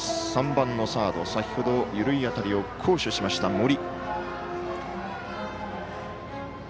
３番のサード先ほど緩い当たりを好守しました、森。